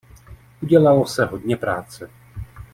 Udělalo se hodně práce.